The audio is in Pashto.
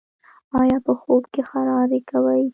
ایا په خوب کې خراری کوئ؟